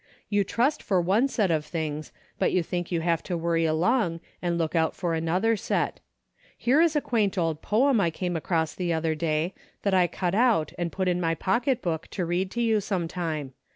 You trust for one set of things, but you think you have to worry along and look out for another set. Here is a quaint old poem I came across the other day that I cut out and put in my pocketbook to read to you some time.